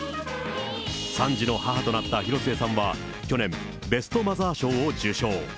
３児の母となった広末さんは、去年、ベストマザー賞を受賞。